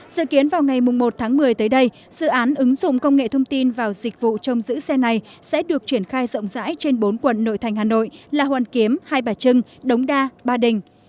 dự kiến vào ngày một tháng một mươi tới đây dự án ứng dụng công nghệ thông tin vào dịch vụ trong giữ xe này sẽ được triển khai rộng rãi trên bốn quận nội thành hà nội là hoàn kiếm hai bà trưng đống đa ba đình